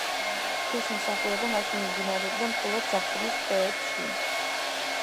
ღვთისმსხურება მასში მიმდინარეობდა მხოლოდ ზაფხულის თვეებში.